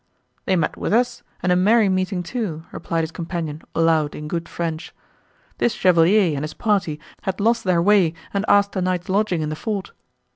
"They met with us, and a merry meeting too," replied his companion aloud in good French. "This chevalier, and his party, had lost their way, and asked a night's lodging in the fort."